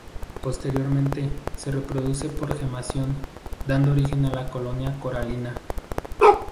Posteriormente, se reproduce por gemación, dando origen a la colonia coralina.